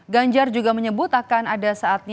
ganjar juga menyebut akan ada saatnya